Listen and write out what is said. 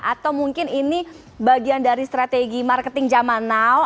atau mungkin ini bagian dari strategi marketing zaman now